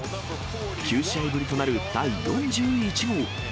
９試合ぶりとなる第４１号。